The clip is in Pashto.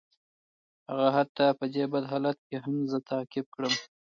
هغه حتی په دې بد حالت کې هم زه تعقیب کړم